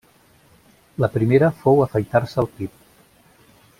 La primera fou afaitar-se el pit.